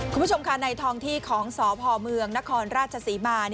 คุณผู้ชมค่ะในทองที่ของสพเมืองนครราชศรีมา